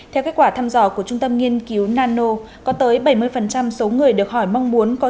theo kết quả thăm dò của trung tâm nghiên cứu nano có tới bảy mươi số người được hỏi mong muốn có